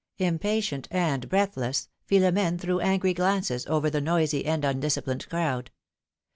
Impatient and breathless, Philomene threw angry glances over the noisy and undisciplined crowd.